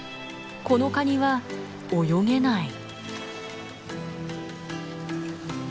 このカニは泳げない。